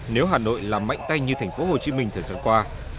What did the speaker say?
nếu hà nội làm mạnh tay như tp hcm thời gian qua